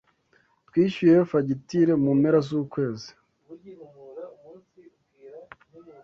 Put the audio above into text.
Twishyuye fagitire mu mpera zukwezi.